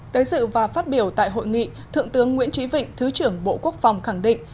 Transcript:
tới dự và phát biểu tại hội nghị thượng tướng nguyễn trí vịnh thứ trưởng bộ quốc phòng khẳng định